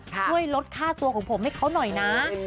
ช่วยลดค่าตัวของผมให้เขาหน่อยนะ